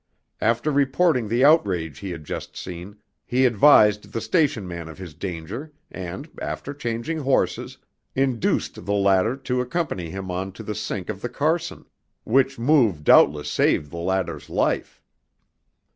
After reporting the outrage he had just seen, he advised the station man of his danger, and, after changing horses, induced the latter to accompany him on to the Sink of the Carson, which move doubtless saved the latter's life.